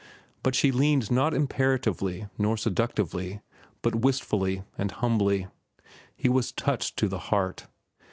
But she leaned not imperatively, not seductively, but wistfully and humbly. He was touched to the heart.